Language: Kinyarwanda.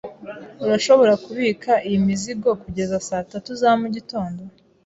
Urashobora kubika iyi mizigo kugeza saa tatu za mugitondo?